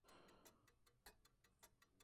Es originaria del Este de Asia.